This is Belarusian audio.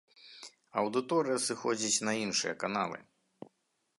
Аўдыторыя сыходзіць на іншыя каналы.